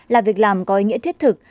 là việc làm có ý nghĩa thiết thực